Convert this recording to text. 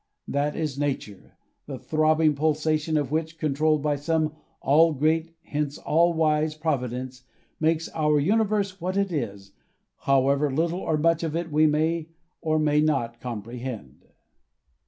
That is nature, the throbbing pulsation of which, controlled by some All great, hence All wise, Providence, makes our universe what it is, however little or much of it we may or may not comprehend.